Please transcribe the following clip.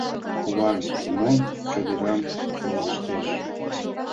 Куван Семон чодырам шолыштеш.